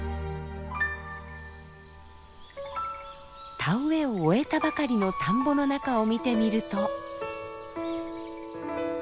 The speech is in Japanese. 田植えを終えたばかりの田んぼの中を見てみると。